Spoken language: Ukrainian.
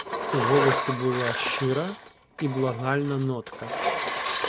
У голосі була щира і благальна нотка.